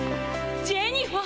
ジェニファー。